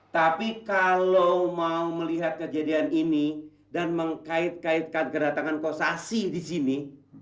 tapi kalau mau melihat kejadian ini dan mengkait kaitkan kedatangan kosasi di sini